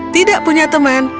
tidak punya teman